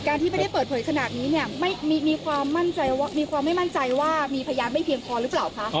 การที่มันได้เปิดเผยขนาดนี้เนี่ยมีความไม่มั่นใจว่ามีพยานไม่เพียงพอหรือเปล่าคะ